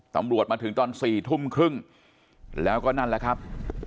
ตำรวจมาถึงตอน๔ทุ่มครึ่งแล้วก็นั่นแหละครับ